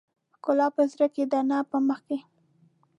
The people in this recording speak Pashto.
ښکلا په زړه کې ده نه په مخ کې .